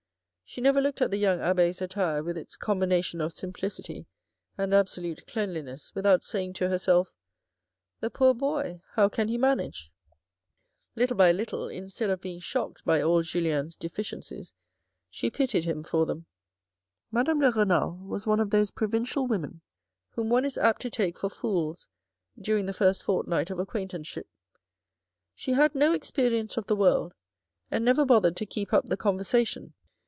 She never looked at the young abbe's attire, with its combination of simplicity and absolute cleanli ness, without saying to herself, " The poor boy, how can he manage ?" Little by little, instead of being shocked by all Julien's deficiencies, she pitied him for them. Madame de Renal was one of those provincial women whom one is apt to take for fools during the first fortnight of acquaintanceship. She had no experience of the world and never bothered to keep up the conversation.